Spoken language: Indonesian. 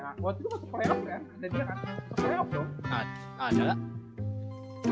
waktu itu pas playoff kan ada dia kan